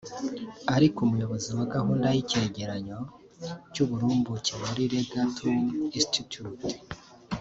Ariko umuyobozi wa gahunda y’icyegeranyo cy’uburumbuke muri Legatum Institute